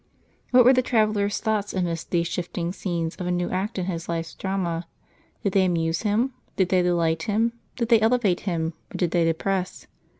What were the traveller's thoughts amidst these shifting scenes of a new act in his life's drama? did they amuse him ? did they delight him? did they elevate him, or did they depress?